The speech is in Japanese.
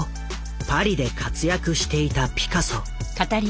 パリで活躍していたピカソ。